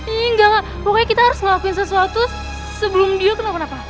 enggak pokoknya kita harus ngelakuin sesuatu sebelum dia kenapa kenapa